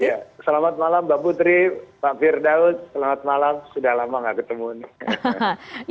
selamat malam mbak putri pak firdaus selamat malam sudah lama gak ketemu ini